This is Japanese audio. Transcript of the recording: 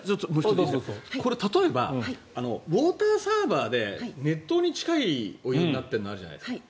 これ例えばウォーターサーバーで熱湯に近いお湯になってるのあるじゃないですか。